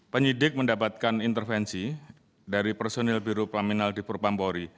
penyidik mendapatkan intervensi dari personil biro plaminal di propam